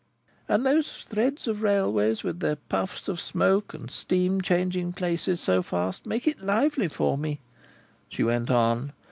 "And those threads of railway, with their puffs of smoke and steam changing places so fast, make it so lively for me," she went on.